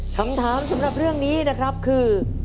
คำถามสำหรับเรื่องนี้นะครับคือ